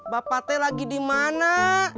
bapak teh lagi dimana